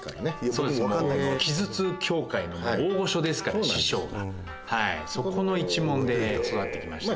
そうですもう奇術協会の大御所ですから師匠がそこの一門で育ってきましたね